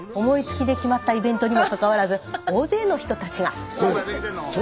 思いつきで決まったイベントにもかかわらず大勢の人たちが。